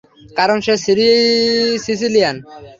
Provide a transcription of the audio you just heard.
কারন সে সিসিলিয়ান।